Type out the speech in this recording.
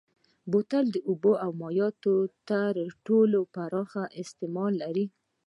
بوتل د اوبو او مایعاتو تر ټولو پراخ استعمال لري.